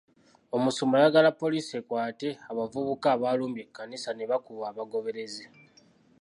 Omusumba ayagala poliisi ekwate abavubuka abaalumbye ekkanisa ne bakuba abagoberezi.